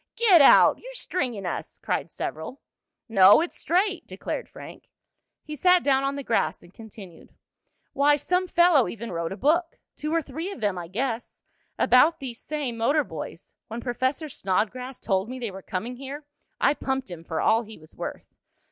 "Get out! You're stringing us!" cried several. "No, it's straight!" declared Frank. He sat down on the grass and continued: "Why, some fellow even wrote a book two or three of them I guess about these same motor boys. When Professor Snodgrass told me they were coming here I pumped him for all he was worth.